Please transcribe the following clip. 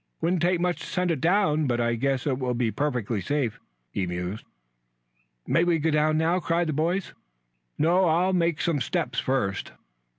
"Wouldn't take much to send it over, but I guess it will be perfectly safe," he mused. "May we go down now?" cried the boys. "No; I'll make some steps first."